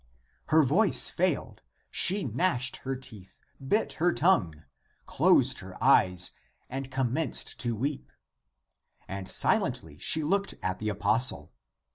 Her voice failed, she gnashed her teeth, bit her tongue, closed her eyes, and commenced to weep. And silently she looked at the apostle.